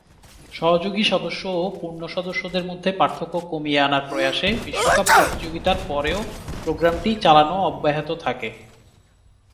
সহযোগী সদস্য ও পূর্ণ সদস্যদের মধ্যে পার্থক্য কমিয়ে আনার প্রয়াসে বিশ্বকাপ প্রতিযোগিতার পরেও প্রোগ্রামটি চালানো অব্যাহত থাকে।